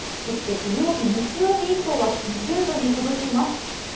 土曜日、日曜日以降は２０度に届きます。